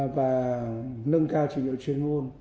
và nâng cao trình độ chuyên ngôn